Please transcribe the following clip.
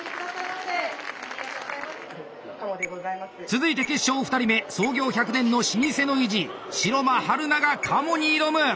続いて決勝２人目創業１００年の老舗の意地城間春菜が鴨に挑む！